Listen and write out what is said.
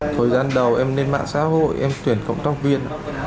thời gian đầu em lên mạng xã hội em tuyển cộng tác viên